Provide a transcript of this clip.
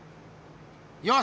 よし！